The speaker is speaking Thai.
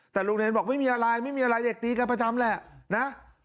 แต่โรงเรียนบอกไม่มีอะไรไม่มีอะไรเด็กตีกันประจำแหละนะ